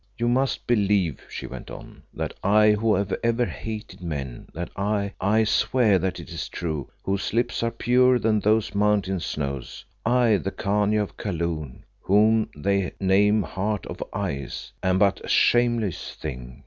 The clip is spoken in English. "You must believe," she went on, "that I, who have ever hated men, that I I swear that it is true whose lips are purer than those mountain snows, I, the Khania of Kaloon, whom they name Heart of Ice, am but a shameless thing."